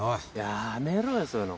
やめろよそういうの。